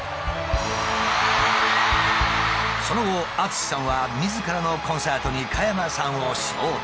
その後ＡＴＳＵＳＨＩさんはみずからのコンサートに加山さんを招待。